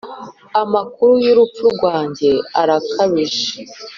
amakuru y'urupfu rwanjye arakabije.